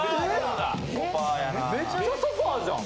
・めっちゃソファじゃん。